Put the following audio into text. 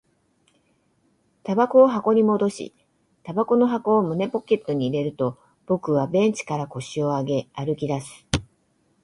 煙草を箱に戻し、煙草の箱を胸ポケットに入れると、僕はベンチから腰を上げ、歩き出す